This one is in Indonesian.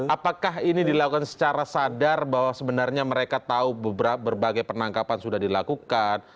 apakah ini dilakukan secara sadar bahwa sebenarnya mereka tahu berbagai penangkapan sudah dilakukan